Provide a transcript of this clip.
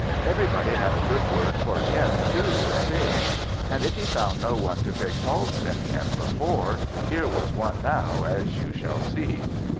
Everybody had a good word for him too, it seems; but if he found no one to pick faults in him before, here was one now, as you shall see.